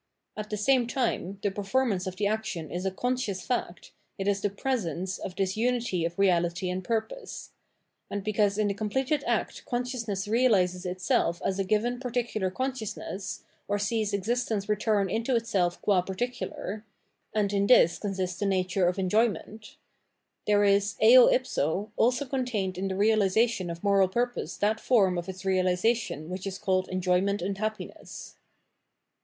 At the same time the performance of the action is a conscious fact, it is the " presence " of this unity of reality and purpose ; and because in the completed act consciousness realises itself as a given particular consciousness, or sees existence return into itself qua particular — and in this consists the nature of enjoyment — there is, eo ipso, also contained in the realisation of moral purpose that form of its realisation which is called enjoyment and happiness.